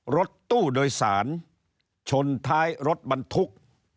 รถตู้โดยสารชนท้ายรถบรรทุก